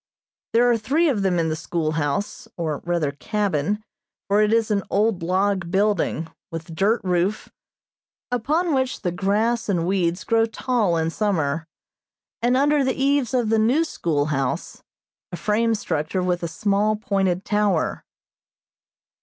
There are three of them in the schoolhouse, or rather cabin, for it is an old log building, with dirt roof, upon which the grass and weeds grow tall in summer, and under the eaves of the new schoolhouse, a frame structure with a small pointed tower.